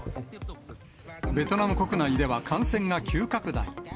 ベトナム国内では感染が急拡大。